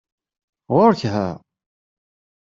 Ɣuṛ-k ha!